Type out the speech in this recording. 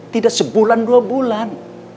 tidak sebulan dua bulan